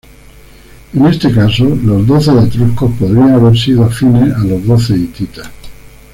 En este caso, los doce etruscos podrían haber sido afines a los doce hititas.